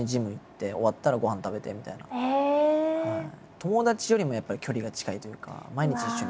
友達よりもやっぱり距離が近いというか毎日一緒にいる。